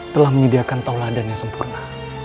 telah menyediakan taulah dan yang sempurna